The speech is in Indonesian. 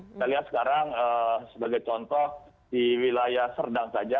kita lihat sekarang sebagai contoh di wilayah serdang saja